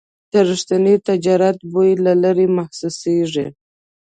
د رښتیني تجارت بوی له لرې محسوسېږي.